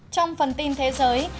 trong phần tin thế giới